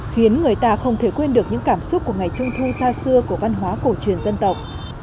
khiến người ta không thể quên được những cảm xúc của ngày trung thu xa xưa của văn hóa cổ truyền dân tộc